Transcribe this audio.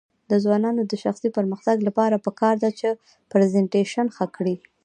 د ځوانانو د شخصي پرمختګ لپاره پکار ده چې پریزنټیشن ښه کړي.